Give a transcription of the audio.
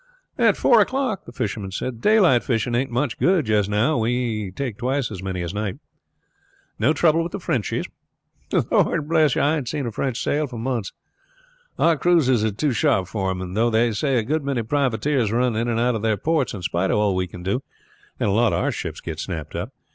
"At four o'clock," the fisherman said. "Daylight fishing ain't much good just now; we take twice as many at night." "No trouble with the Frenchies?" "Lord bless you I ain't seen a French sail for months. Our cruisers are too sharp for them; though they say a good many privateers run in and out of their ports in spite of all we can do, and a lot of our ships get snapped up.